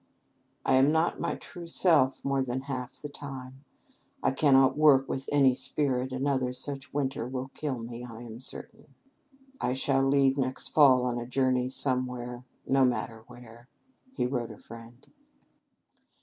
"I am not my true self more than half the time. I cannot work with any spirit: another such winter will kill me, I am certain. I shall leave next fall on a journey somewhere no matter where," he wrote a friend.